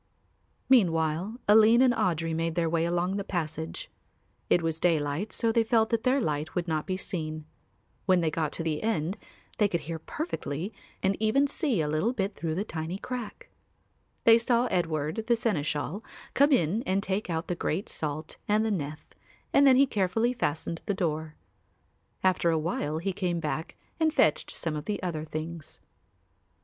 Meanwhile Aline and Audry made their way along the passage. It was daylight so they felt that their light would not be seen. When they got to the end they could hear perfectly and even see a little bit through a tiny crack. They saw Edward, the seneschal, come in and take out the great salt and the nef and then he carefully fastened the door. After a while he came back and fetched some of the other things.